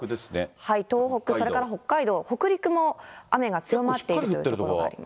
東北、それから北海道、北陸も雨が強まっている所があります。